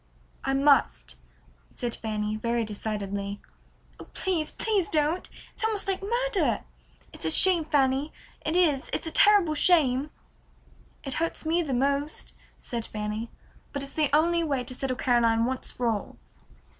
"I must," said Fanny, very decidedly. "Oh, please, please don't! It's almost like murder. It's a shame, Fanny, it is, it's a terrible shame!" "It hurts me most," said Fanny, "but it's the only way to settle Caroline once for all."